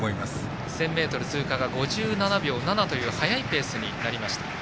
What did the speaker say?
１０００ｍ通過が５７秒７という速いペースになりました。